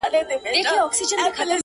څو ټپې نمکیني څو غزل خواږه خواږه لرم-